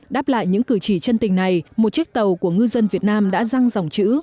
đáp lại những cử chỉ chân tình này một chiếc tàu của ngư dân việt nam đã răng dòng chữ